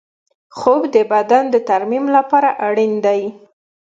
خوب د بدن د ترمیم لپاره اړین دی